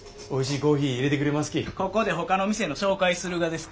ここでほかの店の紹介するがですか？